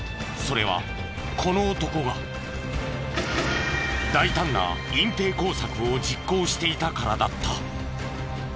それはこの男が大胆な隠蔽工作を実行していたからだった。